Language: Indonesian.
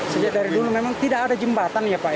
sejak dari dulu memang tidak ada jembatan ya pak